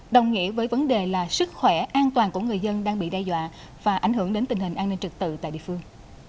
đồng nghĩa với vấn đề là sức khỏe an toàn của người dân đang bị đe dọa và ảnh hưởng đến tình hình an ninh trực tự tại địa phương